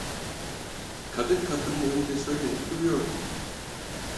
Kadın kapının önünde söylenip duruyordu.